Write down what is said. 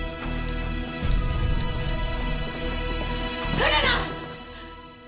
来るな！